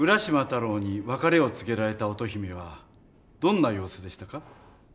太郎に別れを告げられた乙姫はどんな様子でしたか？